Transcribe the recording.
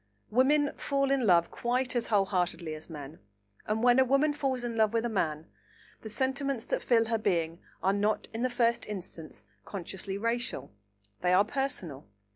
Women fall in love quite as whole heartedly as men, and when a woman falls in love with a man, the sentiments that fill her being are not in the first instance consciously racial; they are personal.